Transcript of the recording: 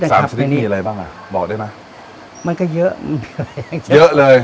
สามชนิดมีอะไรบ้างอ่ะบอกได้ไหมมันก็เยอะเยอะเลย